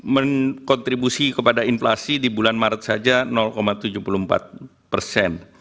menkontribusi kepada inflasi di bulan maret saja tujuh puluh empat persen